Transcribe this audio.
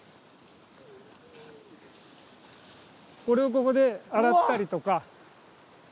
これをここで洗ったりとか。